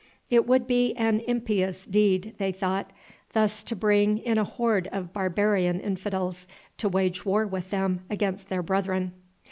It would be an impious deed, they thought, thus to bring in a horde of barbarian infidels to wage war with them against their brethren.